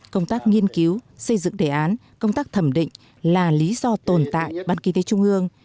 công tác nghiên cứu xây dựng đề án công tác thẩm định là lý do tồn tại ban kinh tế trung ương